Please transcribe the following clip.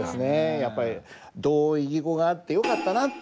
やっぱり同音異義語があってよかったなって。